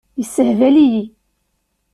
Yessehbal-iyi.